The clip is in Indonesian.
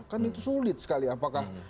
kan itu sulit sekali apakah